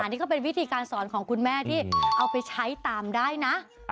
นี่ก็เป็นวิธีการสอนของคุณแม่ที่เอาไปใช้ตามได้นะ